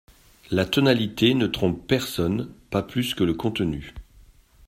La tonalité ne trompe personne, pas plus que le contenu.